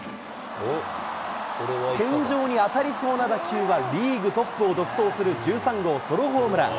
天井に当たりそうな打球はリーグトップを独走する１３号ソロホームラン。